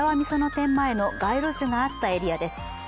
店前の街路樹があったエリアです。